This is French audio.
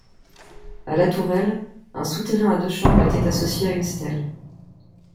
A La Tourelle, un souterrain à deux chambres était associé à une stèle.